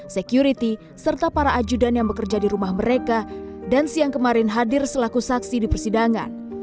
security serta para ajudan yang bekerja di rumah mereka dan siang kemarin hadir selaku saksi di persidangan